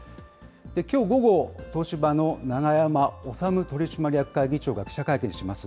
きょう午後、東芝の永山治取締役会議長が記者会見します。